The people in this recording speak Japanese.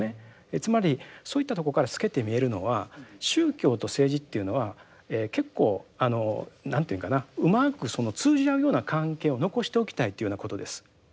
つまりそういったとこから透けて見えるのは宗教と政治っていうのは結構あの何て言うかなうまくその通じ合うような関係を残しておきたいっていうようなことです。